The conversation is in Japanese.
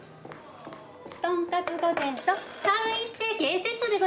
とんかつ御膳とサーロインステーキＡセットでございます。